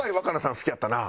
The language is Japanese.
好きやったな？